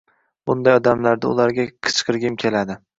Bunday damlarda ularga qichqirgim keladi